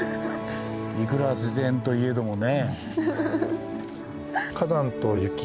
いくら自然といえどもね。